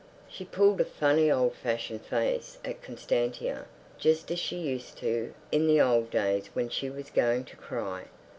She pulled a funny old fashioned face at Constantia, just as she used to in the old days when she was going to cry.